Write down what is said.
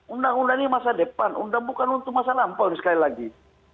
undang undang ini masa depan undang bukan untuk masa lampau sekali lagi